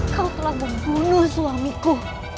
kau telah membunuh suamiku